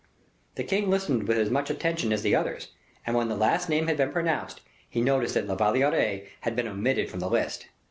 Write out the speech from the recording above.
The king listened with as much attention as the others, and when the last name had been pronounced, he noticed that La Valliere had been omitted from the list.